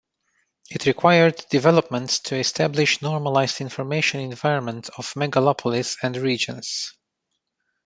It required developments to establish normalized information environment of megapolis and regions.